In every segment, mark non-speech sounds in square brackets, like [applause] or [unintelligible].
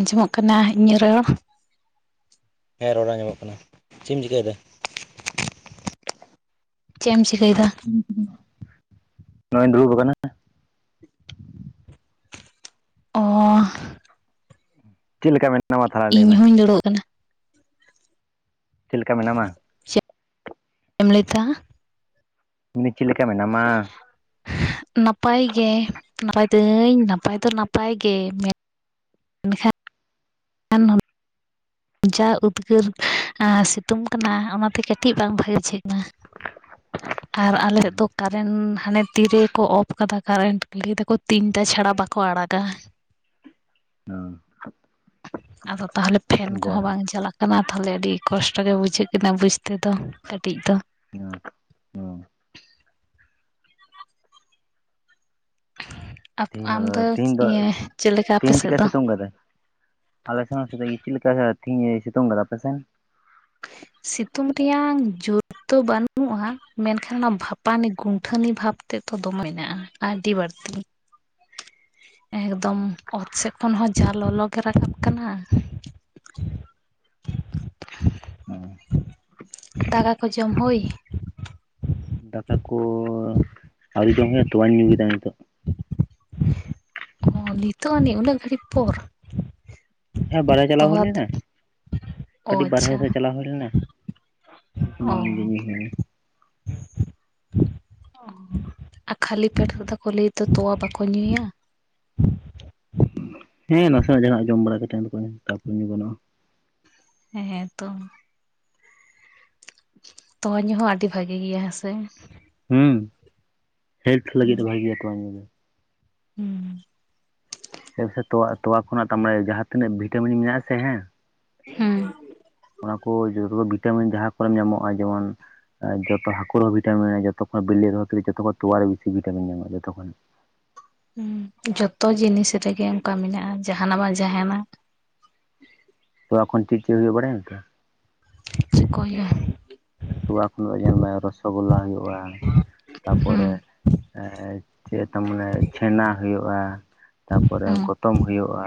ᱟᱸᱡᱚᱢᱚᱜ ᱠᱟᱱᱟ ᱤᱧᱟᱹᱜ ᱨᱚᱲ ᱦᱮᱸ ᱨᱚᱲ ᱟᱡᱚᱢᱚᱜ ᱠᱟᱱᱟ ᱪᱮᱫ ᱮᱢ ᱪᱤᱠᱟᱹᱭᱮᱫᱟ ᱪᱮᱫ ᱮᱢ ᱪᱤᱠᱟᱹᱭᱮᱫᱟ ᱱᱚᱜᱼᱚᱭ ᱤᱧ ᱫᱩᱲᱩᱵ ᱟᱠᱟᱱᱟ ᱚᱻᱚ ᱪᱮᱫ ᱞᱮᱠᱟ ᱢᱮᱱᱟᱜᱼᱟ ᱤᱧ ᱦᱩᱧ ᱫᱩᱲᱩᱵ ᱟᱠᱟᱱᱟ ᱪᱮᱫ ᱞᱮᱠᱟ ᱢᱮᱱᱟᱢᱟ ᱪᱮᱢ ᱞᱟ. ᱭ ᱮᱫᱟ? ᱢᱮᱱ ᱫᱟ. ᱧ ᱪᱮᱫ ᱞᱮᱠᱟ ᱢᱮᱱᱟᱢᱟ ᱱᱟᱯᱟᱭ ᱜᱮ ᱱᱟᱯᱟᱭ ᱛᱟᱹᱧ ᱱᱟᱯᱟᱭ ᱫᱚ ᱱᱟᱯᱟᱭ ᱜᱮᱼᱼ ᱮᱱᱠᱷᱟᱼᱼ [inaudible] ᱮᱱᱚᱱ ᱡᱟ ᱩᱫᱽᱜᱟᱹᱨ ᱥᱤᱛᱩᱝ ᱠᱟᱱᱟ ᱚᱱᱟᱛᱮ ᱠᱟᱹᱴᱤᱡ ᱵᱟᱝ ᱵᱷᱟᱜᱮ ᱴᱷᱤᱠ ᱠᱟᱱᱟ ᱟᱨ ᱟᱞᱮ ᱫᱚ ᱠᱟᱨᱮᱱᱴ ᱦᱟᱱᱮ ᱛᱤᱨᱮ ᱠᱚ ᱚᱯᱷ ᱠᱟᱫᱟ ᱠᱟᱨᱮᱱᱴ ᱞᱟᱹᱭ ᱫᱟᱠᱚ ᱛᱤᱱᱴᱟ ᱪᱷᱟᱲᱟ ᱵᱟᱠᱚ ᱟᱲᱟᱜᱟ ᱦᱩᱸ ᱟᱫᱚ ᱛᱟᱦᱚᱞᱮ ᱯᱷᱮᱱ ᱠᱚᱦᱚᱸ ᱡᱟᱭᱦᱳᱠ ᱵᱟᱝ ᱪᱟᱞᱟᱜ ᱠᱟᱱᱟ ᱠᱟᱱᱟ ᱛᱟᱦᱚᱞᱮ ᱟᱹᱰᱤ ᱠᱚᱥᱴᱚ ᱜᱮ ᱵᱩᱡᱷᱟᱹᱜ ᱠᱟᱱᱟ ᱵᱩᱡᱽ ᱛᱮᱫᱚ ᱠᱟᱹᱴᱤᱡ ᱫᱚ [unintelligible] ᱟᱢ ᱛᱮᱦᱤᱧ ᱫᱚ ᱤᱭᱟᱹ ᱪᱮᱫ ᱞᱮᱠᱟ ᱟᱯᱮ ᱛᱤᱦᱤᱧ ᱥᱮᱫ ᱪᱤᱠᱟ ᱫᱚ ᱥᱤᱛᱩᱝ ᱠᱟᱫᱟᱭ ᱟᱞᱮ ᱥᱮᱜ ᱦᱚᱸ [unintelligible] ᱥᱤᱛᱩᱝ ᱠᱟᱫᱟ ᱟᱯᱮ ᱥᱮᱱ? ᱥᱤᱛᱩᱝ ᱨᱮᱭᱟᱝ ᱡᱩᱨ ᱛᱚ ᱵᱟᱹᱱᱩᱜᱩᱜᱼᱟ ᱢᱮᱱᱠᱷᱟᱱ ᱚᱱᱟ ᱵᱷᱟᱯᱟᱱᱤ ᱜᱩᱱᱴᱷᱟᱹᱱᱤ ᱵᱷᱟᱵᱽ ᱛᱮᱫ ᱫᱚ ᱫᱚᱢᱮ ᱢᱮᱱᱟᱜᱼᱟ ᱟᱹᱰᱤ ᱵᱟᱹᱲᱛᱤ ᱮᱠᱫᱚᱢ ᱥᱮᱫ ᱠᱷᱚᱱ ᱦᱚᱸ ᱡᱟ ᱞᱚᱞᱚᱜᱮ ᱨᱟᱠᱟᱵ ᱠᱟᱱᱟ ᱫᱟᱠᱟ ᱠᱚ ᱡᱚᱢ ᱦᱩᱭ ᱫᱟᱠᱟ ᱠᱚ ᱟᱹᱣᱨᱤ ᱡᱚᱢ ᱦᱩᱭᱩᱜᱼᱟ ᱛᱚᱣᱟ. ᱧ ᱧᱩᱭ ᱠᱮᱫᱟ ᱱᱤᱛᱚᱜ ᱚ ᱱᱤᱛᱚᱜ ᱟᱹᱱᱤᱡ ᱩᱱᱟᱹᱜ ᱜᱷᱟᱹᱲᱤᱡ ᱯᱚᱨ ᱦᱮᱸ ᱵᱟᱨᱦᱮ ᱪᱟᱞᱟᱣ ᱦᱩᱭ ᱛᱚᱣᱟ ᱞᱮᱱᱟ ᱚ ᱠᱟᱹᱴᱤᱡ ᱵᱟᱨᱦᱮ ᱟᱪᱪᱷᱟ ᱥᱮᱫ ᱪᱟᱞᱟᱣ ᱦᱩᱭ ᱞᱮᱱᱟ ᱚ [unintelligible] ᱟᱨ ᱠᱷᱟᱹᱞᱤ ᱯᱮᱴ ᱠᱟᱛᱷᱟ ᱠᱚ ᱞᱟ. ᱭ ᱫᱚ ᱛᱚᱣᱟ ᱵᱟᱠᱚ ᱠᱚ ᱧᱩᱭᱟ ᱦᱮᱸ ᱱᱟᱥᱮ ᱱᱟᱜ ᱡᱟᱦᱟᱸ ᱱᱟᱜ ᱡᱚᱢ ᱵᱟᱲᱟ ᱠᱟᱛᱮ ᱠᱩ ᱠᱟᱢᱤ ᱠᱟᱱᱟ᱾ ᱦᱮᱸᱛᱚ ᱛᱚᱣᱟ ᱧᱩ ᱦᱚᱸ ᱟᱹᱰᱤ ᱵᱷᱟᱜᱤ ᱜᱮᱭᱟ ᱦᱮᱸ ᱥᱮ ᱦᱩᱸ ᱦᱮᱞᱛᱷ ᱞᱟᱹᱜᱤᱫ ᱫᱚ ᱵᱷᱟᱹᱜᱤᱭᱟ ᱛᱚᱣᱟ ᱧᱩ ᱫᱚ ᱦᱩᱸ [unintelligible] ᱪᱮᱫ ᱛᱚᱣᱟ ᱛᱚᱣᱟ ᱠᱷᱚᱱᱟᱜ ᱛᱟᱨ ᱢᱟᱱᱮ ᱡᱟᱦᱟᱸ ᱛᱤᱱᱟᱹᱜ ᱵᱷᱤᱴᱟᱢᱤᱱ ᱢᱮᱱᱟᱜ ᱟᱥᱮ ᱦᱮᱸ ᱦᱮᱸ ᱚᱱᱟ ᱠᱚ ᱡᱚᱛᱚ ᱵᱷᱤᱴᱟᱢᱤᱱ ᱡᱟᱦᱟᱸ ᱠᱚᱨᱮ ᱧᱟᱢᱚᱜᱼᱟ ᱡᱮᱢᱚᱱ ᱡᱚᱛᱚ ᱦᱟᱹᱠᱩ ᱨᱮᱦᱚᱸ ᱵᱷᱤᱴᱟᱢᱤᱱ ᱡᱚᱛᱚ ᱡᱚᱛᱠᱷ ᱠᱷᱚᱱ ᱵᱚᱞᱞᱮ ᱫᱚ ᱦᱚᱭ ᱛᱚ ᱡᱚᱛᱚ ᱠᱷᱚᱱ ᱛᱚᱣᱟ ᱨᱮ ᱵᱮᱥᱤ ᱵᱷᱤᱴᱟᱢᱤᱱ ᱧᱟᱢᱚᱜᱼᱟ ᱡᱚᱛᱚ ᱠᱷᱚᱱ ᱦᱮᱸ ᱡᱚᱛᱚ ᱡᱤᱱᱤᱥ ᱨᱮᱜᱮ ᱚᱱᱠᱟ ᱢᱮᱱᱟᱜᱼᱟ ᱡᱟᱦᱟᱱᱟᱜ ᱵᱟᱝ ᱡᱟᱦᱟᱱᱟᱜ ᱛᱚᱣᱟ ᱠᱷᱚᱱ ᱪᱮᱫ ᱪᱮᱫ ᱦᱩᱭᱩᱜᱼᱟ ᱵᱟᱲᱟᱭᱟᱢ ᱛᱚ ᱪᱤᱠᱚᱭᱟ ᱛᱚᱣᱟ ᱠᱷᱚᱱ ᱧᱮᱞᱢᱮ ᱨᱚᱥᱚᱜᱚᱞᱞᱟ ᱦᱩᱭᱩᱜᱼᱟ ᱛᱟᱯᱚᱨᱮ ᱦᱩᱸ ᱪᱮᱫ ᱛᱟᱢ ᱢᱟᱱᱮ ᱪᱷᱮᱱᱟ ᱦᱩᱭᱩᱜᱼᱟ ᱛᱟᱯᱚᱨᱮ ᱦᱩᱸ ᱜᱚᱛᱚᱢ ᱦᱩᱭᱩᱜᱼᱟ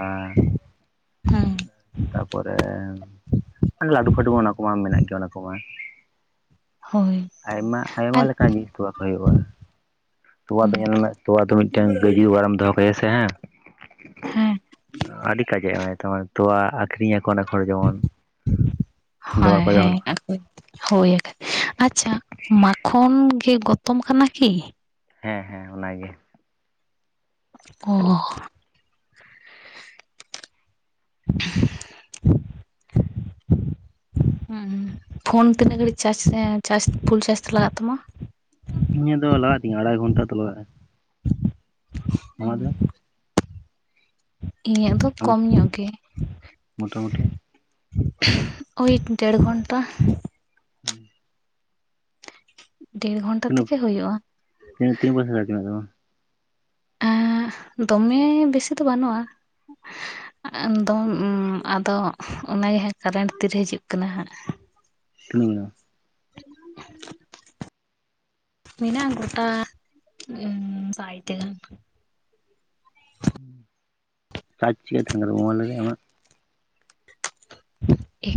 ᱦᱮᱸ ᱛᱟᱨᱯᱚᱨᱮ ᱚᱱᱮ ᱞᱟᱹᱰᱩ ᱯᱷᱟᱹᱰᱩ ᱢᱟ ᱚᱱᱟ ᱠᱚᱢᱟ ᱢᱮᱱᱟᱜ ᱜᱮᱭᱟ ᱚᱱᱟ ᱠᱚᱢᱟ ᱦᱳᱭ ᱟᱭᱢᱟ ᱟᱨ ᱟᱭᱢᱟ ᱞᱮᱠᱟᱱ ᱡᱤᱱᱤᱥ ᱛᱚᱣᱟ ᱠᱷᱚᱡ ᱦᱩᱭᱩᱜᱼᱟ᱾ ᱛᱚᱣᱟ ᱫᱚ ᱦᱩᱸ ᱧᱮᱞ ᱢᱮ ᱛᱚᱣᱟ ᱫᱚ ᱢᱤᱫᱴᱟᱝ ᱜᱟᱹᱭ ᱡᱚᱜᱟᱲᱮᱢ ᱫᱚᱦᱚ ᱠᱟᱭᱟ ᱥᱮ ᱦᱟᱸᱜ ᱦᱮᱸ ᱟᱹᱰᱤ ᱠᱟᱡᱮ ᱮᱢ ᱛᱮᱢᱚᱱ ᱛᱚᱣᱟ ᱟᱠᱷᱨᱤᱧᱟᱠᱚ ᱚᱱᱮᱠ ᱦᱚᱲ ᱡᱮᱢᱚᱱ ᱫᱚᱢᱮ ᱦᱳᱭ ᱠᱚ ᱫᱚᱦᱚ ᱦᱮᱸ ᱞᱮᱠᱚ ᱟᱨ ᱠᱟ. ᱡ ᱦᱳᱭᱮᱠ ᱟᱪᱪᱷᱟ ᱢᱟᱠᱷᱚᱱ ᱜᱮ ᱜᱚᱛᱚᱢ ᱠᱟᱱᱟ ᱠᱤ ᱦᱮᱸ ᱦᱮᱸ ᱚᱱᱟᱜᱮ ᱚ ᱦᱚ [unintelligible] ᱯᱷᱳᱱ ᱛᱤᱱᱟᱹᱜ ᱜᱷᱟᱹᱲᱤᱡ ᱪᱟᱡᱽ ᱯᱷᱩᱞ ᱪᱟᱨᱡᱽ ᱛᱮ ᱞᱟᱜᱟᱜ ᱛᱟᱢᱟ ᱤᱧᱟᱹᱜ ᱫᱚ ᱞᱟᱜᱟᱜ ᱛᱤᱧᱟᱹ ᱟᱲᱟᱭ ᱜᱚᱱᱴᱟ ᱫᱚ ᱞᱟᱜᱟᱜᱼᱟ᱾ ᱟᱢᱟ ᱫᱚ ᱤᱧᱟᱹᱜ ᱫᱚ ᱟᱢᱟᱜ ᱠᱚᱢ ᱧᱚᱜ ᱜᱮ ᱢᱚᱴᱟᱢᱩᱴᱤ ᱳᱭ ᱰᱮᱲ ᱜᱷᱚᱱᱴᱟ ᱦᱩᱸ ᱰᱮᱲ ᱜᱷᱚᱱᱴᱟ ᱛᱷᱮᱜᱮ ᱦᱩᱭᱩᱜᱼᱟ᱾ ᱛᱱᱟᱹᱜ ᱛᱤᱱᱟᱹᱜ [unintelligible] ᱪᱟᱡ ᱢᱮᱱᱟᱹᱜ ᱛᱟᱢᱟ ᱫᱚᱢᱮ ᱵᱮᱥᱤ ᱫᱚ ᱵᱟᱹᱱᱩᱜᱼᱟ᱾ ᱟ ᱫᱚ ᱟᱫᱚ ᱚᱱᱟᱜᱮ ᱦᱟᱸᱜ ᱠᱟᱨᱮᱱᱴ ᱛᱤᱨᱮ ᱦᱤᱡᱩᱜ ᱠᱟᱱᱟ ᱦᱟᱸᱜ ᱛᱤᱱᱟᱜ ᱢᱮᱱᱟᱜᱼᱟ ᱢᱮᱱᱟᱜᱼᱟ ᱜᱚᱴᱟ ᱩᱸ ᱥᱟᱭ ᱴᱤ ᱜᱟᱱ [unintelligible] ᱢᱳᱵᱟᱭᱤᱞ ᱨᱮ ᱟᱢᱟᱜ ᱮ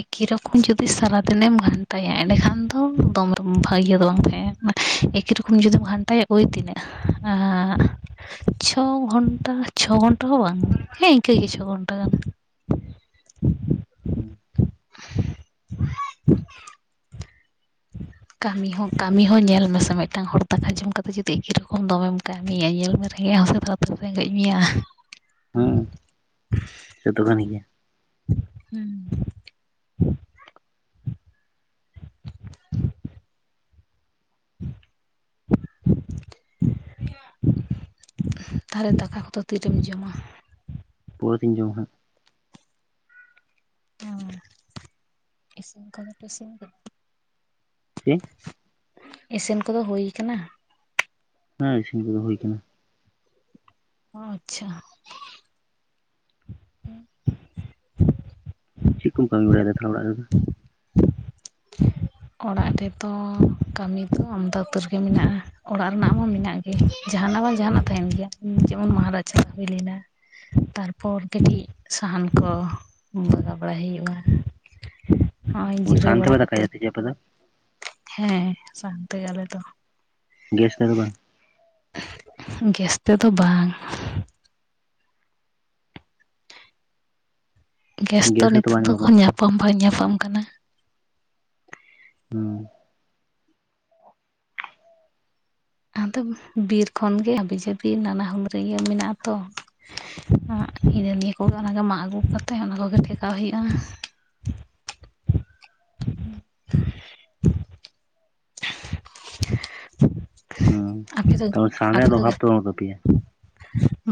ᱮᱠᱤ ᱨᱚᱠᱚᱢ ᱡᱩᱫᱤ ᱥᱟᱨᱟᱫᱤᱱᱮᱢ ᱜᱷᱟᱱᱴᱟᱭᱟ ᱮᱸᱰᱮᱠᱷᱟᱱ ᱫᱚ ᱫᱚᱢ ᱵᱷᱟᱹᱜᱮ ᱫᱚ ᱵᱟᱝ ᱛᱟᱦᱮᱸᱱᱟ ᱮᱠᱤ ᱨᱚᱠᱚᱢ ᱡᱩᱫᱤᱢ ᱜᱷᱟᱱᱴᱟᱭᱟ ᱳᱭ ᱛᱤᱱᱟᱹᱜ ᱪᱷᱚ ᱜᱷᱚᱱᱴᱟ ᱪᱷᱚ ᱜᱷᱚᱱᱴᱟ ᱦᱚᱸ ᱵᱟᱝ ᱦᱮᱸ ᱤᱱᱠᱟᱹ ᱜᱮ ᱪᱷᱚ ᱜᱷᱚᱱᱴᱟ ᱜᱟᱱ ᱦᱩᱸ [inaudible] ᱠᱟᱹᱢᱤ ᱦᱚᱸ ᱠᱟᱹᱢᱤ ᱦᱚᱸ ᱧᱮᱞ ᱢᱮᱥᱮ ᱢᱤᱫᱴᱟᱝ ᱦᱚᱲ ᱫᱟᱠᱟ ᱡᱚᱢ ᱠᱟᱛᱮ ᱡᱩᱫᱤ ᱮᱠᱤ ᱨᱚᱠᱚᱢ ᱫᱚᱢᱮᱢ ᱠᱟᱹᱢᱤᱭᱟ ᱧᱮᱞ ᱢᱮ ᱨᱮᱸᱜᱮᱡ ᱦᱚᱸ ᱥᱮ ᱨᱮᱸᱜᱮᱡ ᱢᱮᱭᱟ ᱦᱩᱸ ᱥᱮ ᱛᱚ ᱠᱟᱱ ᱜᱮᱭᱟ ᱦᱩᱸ [inaudible] ᱛᱟᱦᱞᱮ ᱫᱟᱠᱟ ᱠᱚᱫᱚ ᱛᱤᱨᱮᱢ ᱡᱚᱢᱟ? ᱯᱚᱨᱮ ᱛᱤᱧ ᱡᱚᱢᱟ ᱦᱟᱸᱜ ᱚ ᱤᱥᱤᱱ ᱠᱚᱫᱚ ᱯᱮ ᱤᱥᱤᱱ ᱠᱮᱫ ᱪᱮᱜ ᱤᱥᱤᱱ ᱠᱚᱫᱚ ᱦᱩᱭ ᱠᱟᱱᱟ ᱦᱮᱸ ᱤᱥᱤᱱ ᱠᱚᱫᱚ ᱦᱩᱭ ᱠᱟᱱᱟ᱾ ᱟᱪᱪᱷᱟ [inaudible] ᱪᱮᱫ ᱠᱚᱢ ᱠᱟᱹᱢᱤ ᱵᱟᱲᱟᱭᱫᱟ ᱛᱟᱦᱚᱞᱮ ᱚᱲᱟᱜ ᱨᱮᱫᱚ ᱚᱲᱟᱜ ᱨᱮᱫᱚ ᱠᱟᱹᱢᱤ ᱫᱚ ᱟᱢᱫᱟ ᱩᱛᱟᱹᱨ ᱜᱮ ᱢᱮᱱᱟᱜᱼᱟ ᱚᱲᱟᱜ ᱨᱮᱱᱟᱜ ᱢᱟ ᱢᱮᱱᱟᱜ ᱜᱮ ᱡᱟᱦᱟᱱᱟᱜ ᱵᱟᱝ ᱡᱟᱦᱟᱱᱟᱜ ᱛᱟᱦᱮᱱ ᱜᱮᱭᱟ ᱡᱮᱢᱚᱱ ᱢᱚᱦᱟᱨᱡ ᱪᱟ ᱦᱩᱭ ᱞᱮᱱᱟ ᱛᱟᱨᱯᱚᱨ ᱠᱟᱹᱴᱤᱡ ᱥᱟᱦᱟᱱ ᱠᱚ ᱵᱟᱜᱟ ᱵᱟᱲᱟᱭ ᱦᱩᱭᱩᱜᱼᱟ᱾ ᱦᱚᱸᱜᱼᱚᱭ ᱡᱤᱨᱟᱹᱣ ᱥᱟᱱᱛᱮ ᱵᱟᱲᱟ ᱠᱟᱛᱮ [unintelligible] ᱦᱮᱸ ᱥᱟᱦᱟᱱ ᱛᱮᱜᱮ ᱟᱞᱮ ᱫᱚ ᱜᱮᱥ ᱨᱮ ᱫᱚ ᱵᱟᱝ ᱜᱮᱥ ᱛᱮᱫᱚ ᱵᱟᱝ ᱜᱮᱥᱫᱚ ᱜᱮᱥ ᱦᱚᱸᱛᱚ ᱱᱤᱛᱚᱜ ᱵᱟᱝ ᱧᱟᱢᱚᱜ ᱫᱚᱠᱚ ᱠᱟᱱ ᱛᱟᱯᱮᱭᱟ ᱧᱟᱯᱟᱢ ᱵᱟᱝ ᱧᱟᱯᱟᱢ ᱠᱟᱱᱟ ᱦᱩᱸ ᱟᱫᱚ ᱵᱤᱨ ᱠᱷᱚᱱᱜᱮ ᱦᱟᱵᱤᱡᱟᱵᱤ ᱱᱟᱱᱟ ᱦᱩᱱᱟᱹᱨᱤᱭᱟᱹ ᱢᱮᱱᱟᱜ ᱟ ᱛᱚ ᱤᱱᱟ ᱱᱤᱭᱟᱹ ᱠᱚᱜᱮ ᱚᱱᱟᱱᱟᱜᱮ ᱢᱟᱜ ᱟᱹᱜᱩ ᱠᱟᱛᱮ ᱚᱱᱟ ᱠᱚᱜᱮ ᱴᱷᱮᱠᱟᱣ ᱦᱩᱭᱩᱜᱼᱟ ᱦᱩᱸ ᱟᱯᱮ ᱫᱚ ᱛᱚ ᱥᱟᱱ ᱟᱯᱮ ᱨᱮᱭᱟᱜ ᱫᱚ ᱚᱵᱷᱟᱵ ᱵᱟᱹᱱᱩᱜ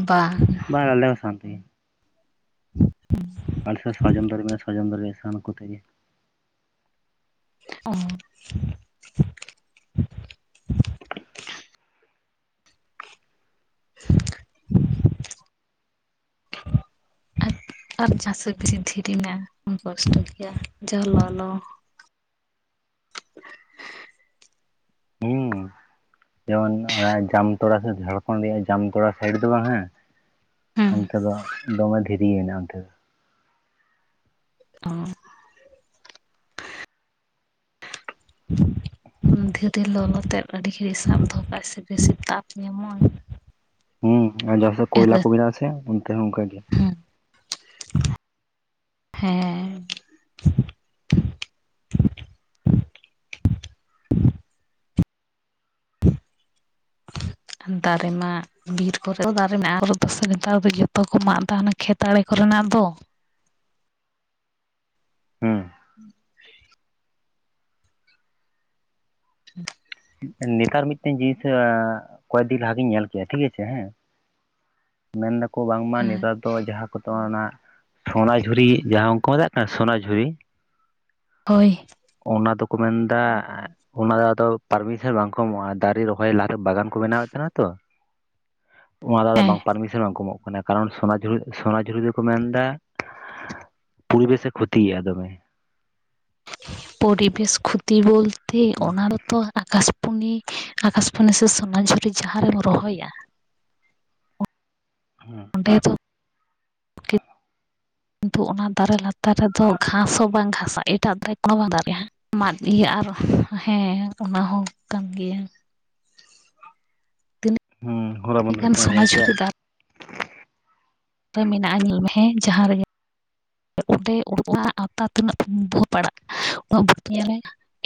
ᱵᱟᱝ ᱵᱟᱝᱞᱮᱥᱟᱱ ᱛᱮ ᱜᱮ ᱦᱩᱸ [inaudible] ᱟᱞᱮ ᱥᱮᱱ ᱥᱟᱨᱡᱚᱢ ᱫᱟᱨᱮ ᱢᱮᱱᱟᱜᱼᱟ ᱥᱟᱨᱡᱚᱢ ᱫᱟᱨᱮ ᱥᱟᱱ ᱠᱚᱛᱮᱜ ᱜᱮ ᱚᱻᱻ [inaudible] [inaudible] ᱟᱨ ᱪᱟᱥ ᱵᱤᱥᱤ ᱫᱷᱤᱨᱤ ᱢᱮᱱᱟᱜ ᱟ ᱠᱚᱥᱴᱚ ᱜᱮᱭᱟ ᱡᱟ ᱞᱚᱞᱚ, ᱦᱩᱸ ᱡᱮᱢᱚᱱ ᱚᱱᱟ ᱡᱟᱢᱛᱚᱲᱟ ᱥᱮ ᱡᱷᱟᱲᱠᱷᱚᱸᱰ ᱨᱮᱭᱟᱜ ᱡᱟᱢᱛᱚᱲᱟ ᱥᱟᱭᱤᱰ ᱫᱚ ᱵᱟᱝ ᱦᱮᱸ, ᱦᱮᱸ ᱚᱱᱛᱮ ᱫᱚ ᱫᱚᱢᱮ ᱫᱷᱤᱨᱤᱮᱱᱟ ᱚᱱᱛᱮ ᱫᱚ᱾ ᱚᱸ ᱫᱷᱤᱨᱮ ᱞᱚᱞᱚᱛᱮᱫ ᱟᱹᱰᱤ ᱜᱷᱟᱹᱲᱤᱡ ᱥᱟᱵ ᱫᱚᱦᱚ ᱠᱟᱜᱼᱟ ᱥᱮ ᱵᱮᱥᱤ ᱛᱟᱯ ᱧᱟᱢᱚᱜᱼᱟ᱾ ᱦᱩᱸ ᱟᱨ ᱡᱟᱦᱟᱸᱥᱮ ᱟᱫᱚ ᱠᱚᱭᱞᱟ ᱠᱚᱢᱮᱱᱟ ᱟᱥᱮ ᱚᱱᱛᱮ ᱦᱚᱸ ᱚᱱᱠᱟᱜᱮ᱾ ᱦᱮᱸ ᱦᱮᱸᱻ ᱫᱟᱨᱮ ᱢᱟᱜ ᱵᱤᱨ ᱠᱚᱨᱮ ᱫᱚ ᱫᱟᱨᱮ ᱢᱮᱱᱟᱜᱼᱟ ᱫᱚ ᱥᱮ ᱱᱮᱛᱟᱨ ᱫᱚ ᱡᱚᱛᱚ ᱠᱚ ᱢᱟᱜ ᱮᱫᱟ ᱚᱱᱟ ᱠᱷᱮᱛ ᱟᱲᱮ ᱠᱚᱨᱮᱱᱟᱜ ᱫᱚ᱾ ᱦᱩᱸ [inaudible] [inaudible] ᱱᱮᱛᱟᱨ ᱢᱤᱫᱴᱮᱱ ᱡᱤᱱᱤᱥ ᱠᱚᱭᱮᱠᱫᱤᱱ ᱞᱟᱦᱟᱤᱧ ᱧᱮᱞ ᱠᱼᱟ ᱴᱷᱤᱠ ᱟᱪᱷᱮ ᱦᱮᱸ, ᱢᱮᱱ ᱫᱟᱠᱚ ᱵᱟᱝᱢᱟ ᱦᱮᱸ ᱱᱮᱛᱟᱨ ᱫᱚ ᱡᱟᱦᱟᱸ ᱠᱚᱫᱚ ᱚᱱᱟ, ᱥᱚᱱᱟᱡᱷᱩᱨᱤ ᱡᱟᱦᱟᱸ ᱠᱚᱠᱚ ᱢᱮᱛᱟᱜ ᱠᱟᱱᱟ ᱥᱚᱱᱟᱡᱷᱩᱨᱤ? ᱦᱳᱭ ᱚᱱᱟ ᱫᱚᱠᱚ ᱢᱮᱱᱫᱟ ᱚᱱᱟ ᱫᱚ ᱟᱫᱚ ᱯᱟᱨᱢᱤᱥᱚᱱ ᱵᱟᱝ ᱠᱚ ᱮᱢᱚᱜᱼᱟ ᱫᱟᱨᱮ ᱨᱚᱦᱚᱭ ᱞᱟᱦᱟ ᱵᱟᱜᱟᱱ ᱠᱚ ᱵᱮᱱᱟᱣᱮᱫ ᱛᱟᱦᱮᱱᱟ ᱛᱚ, ᱚᱱᱟ ᱫᱚ ᱟᱫᱚ ᱦᱮᱸ ᱵᱟᱝ ᱯᱟᱨᱢᱤᱥᱚᱱ ᱵᱟᱝ ᱠᱚ ᱮᱢᱚᱜ ᱠᱟᱱᱟ, ᱠᱟᱨᱚᱱ ᱥᱚᱱᱟᱡᱷᱩᱨᱤ ᱥᱚᱱᱟᱡᱷᱩᱨᱤ ᱫᱚᱠᱚ ᱢᱮᱱ ᱮᱫᱟ ᱯᱚᱨᱤᱵᱮᱥᱮ ᱠᱷᱚᱛᱤᱭᱟ ᱫᱚᱢᱮ, ᱯᱚᱨᱤᱵᱮᱥ ᱠᱷᱚᱛᱤ ᱵᱚᱞᱛᱮ ᱚᱱᱟ ᱫᱚ ᱛᱚ ᱟᱠᱟᱥ ᱯᱩᱱᱤ ᱟᱠᱟᱥᱯᱟᱱᱤ ᱥᱮ ᱥᱚᱱᱟᱡᱷᱩᱨᱤ ᱡᱟᱦᱟᱸ ᱨᱮᱢ ᱨᱚᱦᱚᱭᱟ, ᱦᱮᱸ ᱚᱸᱰᱮ ᱫᱚ, [inaudible] ᱠᱤᱱᱛᱩ ᱚᱱᱟ ᱫᱟᱨᱮ ᱞᱟᱛᱟᱨ ᱨᱮᱫᱚ ᱜᱷᱟᱥ ᱦᱚᱸ ᱵᱟᱝ ᱜᱷᱟᱥᱼᱟ ᱮᱴᱟᱜ ᱫᱟᱨᱮ ᱠᱚᱦᱚᱸ ᱵᱟᱝ ᱫᱟᱨᱮᱜᱼᱟ᱾ ᱢᱟᱫ ᱤᱭᱟᱹ ᱟᱨ ᱦᱮᱸ ᱚᱱᱟ ᱦᱚᱸ ᱠᱟᱱ ᱜᱮᱭᱟ᱾ ᱦᱩᱸ ᱦᱚᱞᱟ ᱟᱹᱰᱤᱹ ᱢᱟᱫᱷᱮᱨ ᱜᱟᱱ ᱠᱷᱚᱱᱤᱧ ᱟᱸᱡᱚᱢ ᱠᱮᱫᱼᱟ ᱥᱳᱱᱟᱡᱷᱩᱨᱤᱫᱟᱨ ᱢᱮᱱᱟᱜᱼᱟ ᱧᱮᱞ ᱢᱮ ᱦᱮᱸ ᱡᱟᱦᱟᱸ ᱨᱮᱜᱮ, ᱚᱸᱰᱮ ᱚᱱᱟ ᱟᱣᱛᱟ ᱛᱤᱱᱟᱹᱜ ᱯᱟᱲᱟᱜᱼᱟ ᱩᱱᱟᱹᱜ [unintelligible] ᱨᱮ,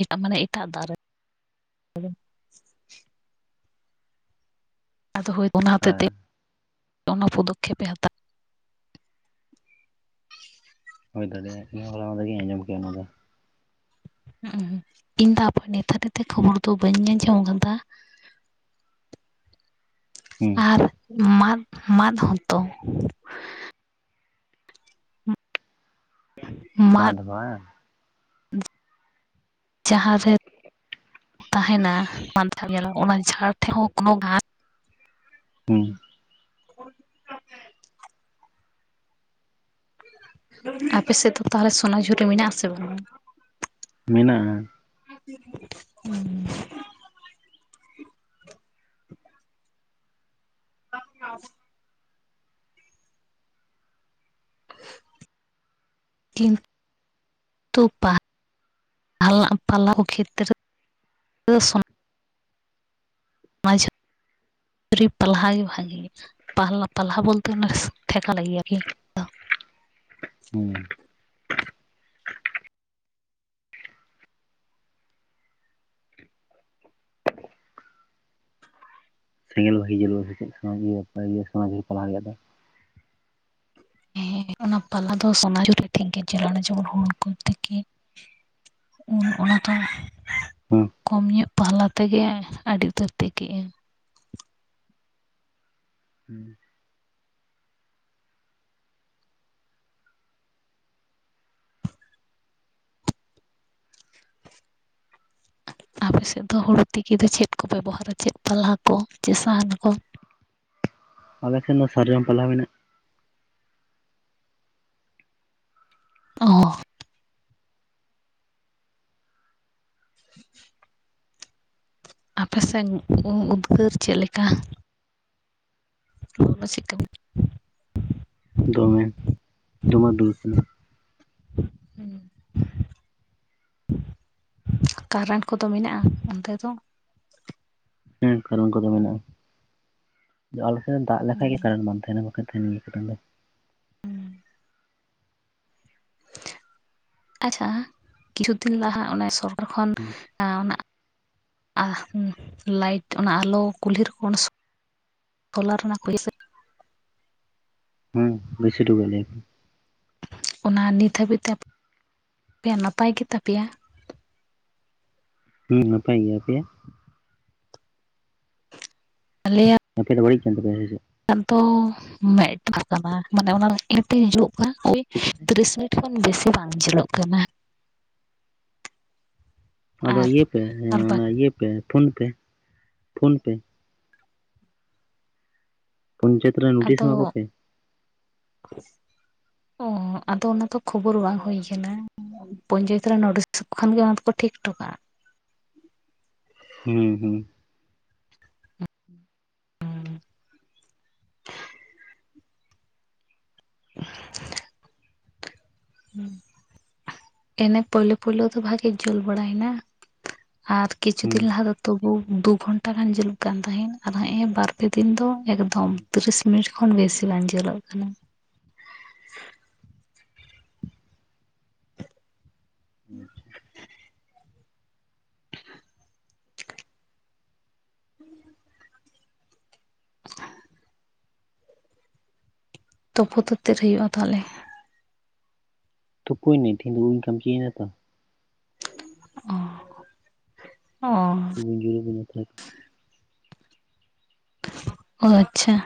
ᱮᱴᱟᱜ ᱢᱟᱱᱮ ᱮᱴᱟᱜ ᱫᱟᱨᱮ, ᱟᱫᱚ ᱦᱳᱭ ᱚᱱᱟ ᱦᱚᱛᱮᱫ ᱛᱮ ᱦᱮᱸ ᱚᱱᱟ ᱯᱚᱫᱚᱠᱷᱮᱯᱮ ᱦᱟᱛᱟᱣᱟ, ᱦᱳᱭ ᱫᱟᱲᱮ ᱤᱧ ᱵᱟᱞᱟᱤᱧ ᱟᱸᱡᱚᱢ ᱠᱮᱭᱟ ᱚᱱᱟ ᱫᱚ᱾ ᱦᱩᱸ ᱤᱧ ᱫᱚ ᱟᱵᱚ ᱱᱮᱛᱟᱨᱤᱛᱮ ᱠᱷᱚᱵᱚᱨ ᱫᱚ ᱵᱟᱹᱧ ᱟᱸᱡᱚᱢ ᱟᱠᱟᱫᱟ, ᱦᱩᱸ ᱟᱨ ᱢᱟᱫ ᱢᱟᱫ ᱦᱚᱸᱛᱚ, [inaudible] ᱢᱟᱫ ᱦᱚ ᱵᱟᱝ? ᱡᱟᱦᱟᱸ ᱨᱮ ᱛᱟᱦᱮᱱᱟ ᱢᱟᱛᱷ ᱡᱷᱟᱲ ᱧᱮᱞᱟ ᱚᱱᱟ ᱡᱷᱟᱲ ᱴᱷᱮᱱ ᱦᱚᱸ ᱠᱳᱱᱳ ᱜᱷᱟᱥ ᱦᱩᱸ ᱟᱯᱮ ᱥᱮᱜ ᱫᱚ ᱛᱟᱦᱚᱞᱮ ᱥᱚᱱᱟ‌ᱡᱷᱩᱨᱤ ᱢᱮᱱᱟᱜ-ᱟ ᱥᱮ ᱵᱟᱝ? ᱢᱮᱱᱟᱜ-ᱟ᱾ [inaudible] ᱠᱟᱱ ᱜᱮᱭᱟ ᱟᱵᱚ᱾ ᱠᱤᱱ [inaudible] ᱛᱩ ᱯᱟ ᱦᱟᱞᱟᱝ ᱯᱟᱞᱟᱣ ᱠᱷᱮᱛ ᱨᱮ [inaudible] ᱥᱚᱱ [unintelligible] ᱨᱤ‌ ᱯᱟᱞᱦᱟ ᱜᱮ ᱵᱷᱟᱜᱤ ‌ᱜᱮᱭᱟ ᱯᱟᱦᱞᱟ ᱯᱟᱞᱦᱟ ᱵᱚᱞᱛᱮ ᱚᱱᱟ ᱥᱮ ‌ᱴᱷᱮᱠᱟ ‌ᱞᱟᱹᱜᱤᱫ ᱟᱨ‌ᱠᱤ‌ᱼᱼ ᱦᱩᱸ᱾ ᱥᱮᱸᱜᱮᱞ ᱵᱷᱟᱜᱤ ᱡᱟᱹᱞᱩᱜ-ᱟ ᱥᱮ ᱪᱮᱫ ᱢᱚᱡᱽ ᱜᱮ ᱥᱚᱱᱟ ᱡᱷᱩᱨᱤ ᱯᱟᱞᱦᱟ ᱦᱩᱭ ᱠᱟᱛᱮᱫ? ᱦᱮᱸ ᱚᱱᱟ ᱯᱟᱞᱦᱟ ᱫᱚ ᱥᱚᱱᱟ ᱡᱷᱩᱨᱤ ᱴᱷᱤᱠ ᱜᱮ ᱡᱩᱞᱩ ᱱᱟ ᱚᱱᱮ ᱡᱮᱢᱚᱱ ᱦᱩᱲᱩ ᱠᱚ ᱛᱤᱞᱤ ᱼᱼ ᱩᱱ ᱚᱱᱟ ᱫᱚ ᱦᱩᱸ ᱠᱚᱢ ᱧᱚᱜ ᱯᱟᱦᱞᱟ ᱛᱮᱜᱮ ᱟᱹᱰᱤ ᱩᱛᱟᱹᱨ ᱛᱮᱠᱮᱜ᱾ ᱦᱩᱸ᱾ ᱟᱯᱮ ᱥᱮᱜ ᱫᱚ ᱦᱩᱲᱩ ᱛᱤᱠᱤ ᱫᱚ ᱪᱮᱫ ᱠᱚ ᱵᱮᱵᱚᱦᱟᱨᱟ ᱪᱮᱜ ᱯᱟᱞᱦᱟ ᱠᱚ ᱪᱮᱜ ᱥᱟᱦᱟᱱ ᱠᱚ? ᱟᱞᱮ ᱥᱮᱱ ᱫᱚ ᱥᱟᱨᱡᱚᱢ ᱯᱟᱞᱦᱟ ᱢᱮᱱᱟᱜ-ᱟ᱾ ᱚᱻ᱾ [inaudible] ᱟᱯᱮ ᱥᱮᱱ ᱠᱚ ᱩᱫᱽᱜᱟᱹᱨ ᱪᱮᱜ ᱞᱮᱠᱟ? ᱞᱚᱞᱚ ᱥᱤᱛᱩᱝᱼᱼ ᱫᱚᱢᱮ ᱫᱚᱢᱮ ᱩᱫᱽᱜᱟᱹᱨ ᱠᱟᱱᱟ᱾ ᱠᱟᱨᱮᱱᱴ ᱠᱚᱫᱚ ᱢᱮᱱᱟᱜᱼᱟ ᱚᱱᱛᱮ‌ ᱫᱚ? ᱦᱩᱸ ᱠᱟᱨᱮᱱᱴ ᱠᱚᱫᱚ ᱢᱮᱱᱟᱜ-ᱟ, ᱫᱚ ᱟᱞᱮ ᱥᱮᱜ ᱫᱟᱜ ᱞᱮᱠᱷᱟᱡ ᱜᱮ ᱠᱟᱨᱮᱱᱴ ᱵᱟᱝᱼᱼ ᱛᱟᱦᱮᱱᱟ ᱵᱟᱠᱷᱟᱡ ᱛᱟᱦᱮᱸᱱ ᱜᱮᱭᱟ‌ ᱠᱟᱨᱮᱱᱴ ᱫᱚ᱾ ᱟᱪᱪᱷᱟ ᱠᱤᱪᱷᱩ ᱫᱤᱱ ᱞᱟᱦᱟ ᱚᱱᱮ ᱥᱚᱨᱠᱟᱨ ᱠᱷᱚᱱ ᱮᱸᱻ ᱚᱱᱟᱼᱼ ᱟ ᱩᱸᱻᱞᱟᱭᱤᱴ ᱚᱱᱟ ᱟᱞᱚ ᱠᱩᱞᱦᱤ ᱨᱮ ᱠᱚᱱᱥᱼᱼ ᱛᱚᱞᱟ ᱨᱮᱱᱟᱜ ᱯᱤᱲᱤ ᱥᱮᱜᱼᱼ ᱦᱩᱸ ᱵᱮᱥᱤ ᱴᱩᱠᱩ ᱜᱮ ᱞᱮ ᱦᱚᱸ᱾ ᱚᱱᱟ ᱱᱤᱛ ᱦᱟᱹᱵᱤᱡ ᱛᱮ ᱯᱮᱭᱟᱜ ᱱᱟᱯᱟᱭ ᱜᱮᱛᱟ ᱯᱮᱭᱟ? ᱦᱩᱸ ᱱᱟᱯᱟᱭ ᱜᱮᱭᱟ, ᱟᱯᱮᱭᱟᱜ? ᱟᱞᱮᱭᱟᱜᱼᱼ ᱟᱯᱮ ᱫᱚ ᱵᱟᱹᱲᱤᱡ‌ ᱠᱟᱱ ᱛᱟᱯᱮᱭᱟ ᱥᱮ ᱪᱮᱜ? ᱟᱫᱚ ᱢᱮᱜᱴᱟᱝ ᱠᱟᱱᱟ ᱢᱟᱱᱮ ᱚᱱᱟ ᱤᱭᱟᱹᱛᱮ ᱦᱤᱡᱩᱜ ᱠᱟᱱᱟ ᱳᱭᱼᱼ ᱪᱤᱠᱟ ᱛᱮ? ᱛᱨᱤᱥ ᱢᱤᱱᱤᱴ ᱠᱷᱚᱱ ᱵᱮᱥᱤ ᱵᱟᱝ ᱪᱚᱞᱚᱜ ᱠᱟᱱᱟ᱾ ᱟᱫᱚ ᱟᱨ ᱤᱭᱟᱹ ᱛᱮ ᱮᱸᱻ ᱟᱨ ᱚᱱᱟ ᱵᱟᱠᱤ ᱤᱭᱟᱹ ᱛᱮ ᱯᱷᱳᱱ ᱯᱮ ᱯᱷᱳᱱ ᱯᱮ᱾ ᱯᱷᱚᱱ ᱪᱮᱫᱼᱼ ᱟᱫᱚ ᱠᱩᱥᱤ ᱛᱮ ᱾ ᱚᱸᱻ ᱟᱫᱚ ᱚᱱᱟ ᱫᱚ ᱠᱷᱳᱵᱳᱨ ᱵᱟᱝ ᱦᱩᱭ ᱠᱟᱱᱟ᱾ ᱯᱚᱧᱪᱟᱹᱭᱮᱛ ᱨᱮᱱ ᱱᱚᱰᱤᱥ ᱠᱷᱚᱱ ᱜᱮ ᱚᱱᱟ ᱫᱚᱠᱚ ᱴᱷᱤᱠ ᱴᱚ ᱠᱟᱜ-ᱟ᱾ ᱦᱩᱸ ᱦᱩᱸ᱾ [inaudible] ᱮᱱᱮ ᱯᱳᱭᱞᱳ ᱯᱳᱭᱞᱳ ᱫᱚ ᱵᱷᱟᱜᱤ ᱡᱩᱞ ᱵᱟᱲᱟᱭ ᱱᱟ᱾ ᱟᱨ ᱠᱤᱪᱷᱩ ᱦᱩᱸ ᱫᱤᱱ ᱞᱟᱦᱟ ᱫᱚ ᱛᱩᱜᱩ ᱫᱩ ᱜᱷᱚᱱᱴᱟ ᱜᱟᱱ ᱡᱩᱞᱩᱜ ᱠᱟᱱ ᱛᱟᱦᱮᱸᱱ ᱟᱨ ᱦᱮᱸᱜᱼᱮ ᱵᱟᱨᱼᱼ ᱯᱮ ᱫᱤᱱ ᱫᱚ ᱮᱠᱫᱚᱢ ᱛᱤᱨᱤᱥ ᱢᱤᱱᱤᱴ ᱠᱷᱚᱱ ᱵᱮᱥᱤ ᱵᱟᱝ ᱡᱟᱹᱞᱚᱜ ᱠᱟᱱᱟ᱾ ᱦᱩᱸ᱾ [inaudible] [inaudible] ᱛᱚᱯᱩ ᱫᱚ ᱛᱤᱨᱮ ᱦᱩᱭᱩᱜᱼᱟ ᱛᱟᱦᱚᱞᱮ? ᱛᱩᱯᱩᱭ ᱱᱟᱹᱧ ᱛᱤᱦᱤᱧ ᱫᱚ ᱩᱵ ᱤᱧ ᱠᱟᱹᱢᱪᱤᱭ ᱱᱟ ᱛᱚ᱾ ᱚᱸ ᱚᱸᱻ᱾ [unintelligible] ᱚ ᱟᱪᱷᱟ